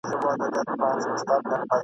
له مستیه پر دوو سرو پښو سوه ولاړه ..